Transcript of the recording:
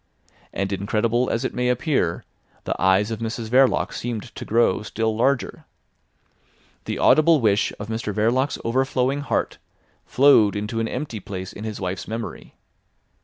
And incredible as it may appear, the eyes of Mrs Verloc seemed to grow still larger. The audible wish of Mr Verloc's overflowing heart flowed into an empty place in his wife's memory.